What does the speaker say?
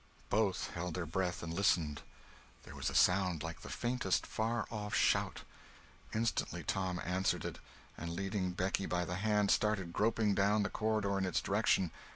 Both held their breath and listened. There was a sound like the faintest, far off shout. Instantly Tom answered it, and leading Becky by the hand, started groping down the corridor in its direction.